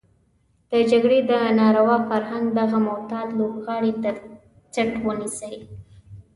د جګړې د ناروا فرهنګ دغه معتاد لوبغاړی تر څټ ونيسي.